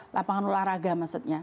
lapangan olahraga maksudnya